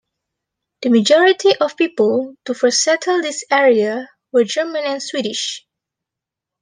The majority of people to first settle this area were German and Swedish.